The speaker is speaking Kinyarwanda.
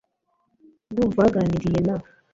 Ndumva waganiriye na .